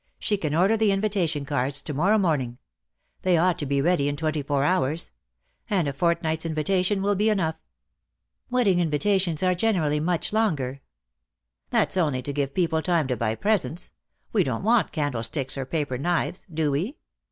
She can order the invitation cards to morrow morning. They ought to be ready in twenty four hours; and a fort night's invitation will be enough." "Wedding invitations are generally much longer." "That's only to give people time to buy presents. We don't want candlesticks or paper knives, do we?"